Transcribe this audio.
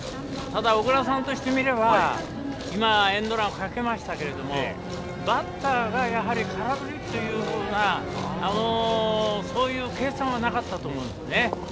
ただ小倉さんとしてみれば今エンドランをかけましたがバッターが空振りというような計算はなかったと思うんですね。